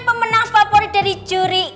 pemenang favorit dari juri